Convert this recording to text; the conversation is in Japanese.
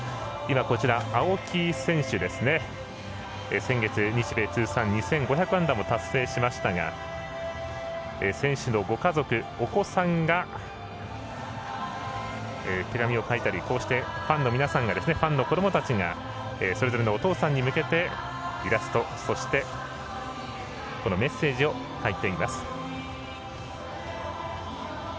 先月、日米通算２５００安打も達成しましたが選手のご家族、お子さんが手紙を書いたりファンの皆さんファンの子どもたちがそれぞれのお父さんに向けてイラスト、そしてメッセージを書いています。